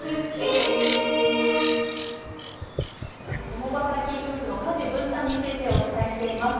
共働き夫婦の家事分担についてお伝えしています。